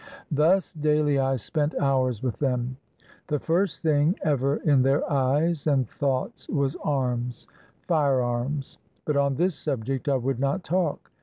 Thus daily I spent hours with them. The first thing ever in their eyes and thoughts was arms, — firearms, — but on this subject I would not talk.